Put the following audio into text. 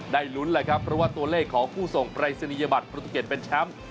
ได้ลุ้นเลยครับเพราะว่าตัวเลขของผู้ส่งปรัศนียบัตรประตูเกตเป็นช้ำ